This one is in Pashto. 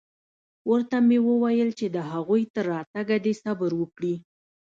ورته مې وويل چې د هغوى تر راتگه دې صبر وکړي.